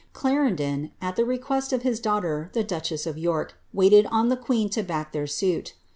Cla rendon, at the request of his daughter, the duchess of York, waited oa the queen to back their suit.